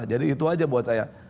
jadi itu aja buat saya